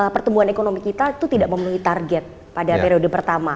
pertumbuhan ekonomi kita itu tidak memenuhi target pada periode pertama